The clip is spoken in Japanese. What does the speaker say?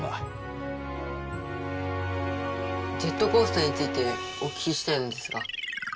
ジェットコースターについてお聞きしたいのですが。